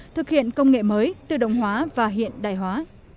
thực hiện công nghệ mới tự động hóa và hiện đại hóa